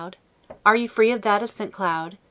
Are you free of that of St. Cloud?